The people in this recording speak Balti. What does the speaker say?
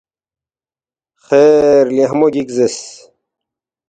خیر ”لیخمو گِک“ زیرس